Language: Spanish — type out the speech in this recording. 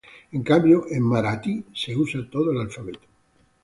En cambio, en marathi se usa todo el alfabeto.